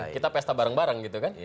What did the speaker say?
kita pesta bareng bareng gitu kan